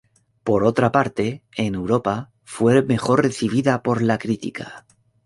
Por otra parte, en Europa fue mejor recibida por la crítica.